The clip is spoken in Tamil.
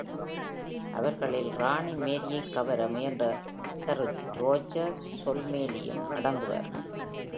அவர்களில் ராணி மேரியைக் கவர முயன்ற சர் ரோஜர் சோல்மேலியும் அடங்குவார்.